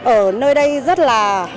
ở nơi đây rất là